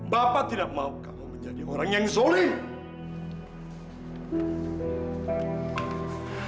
bapak tidak mau kamu menjadi orang yang solid